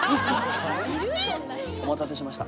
お待たせしました。